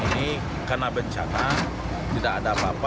ini karena bencana tidak ada apa apa